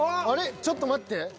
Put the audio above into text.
あれっちょっと待って。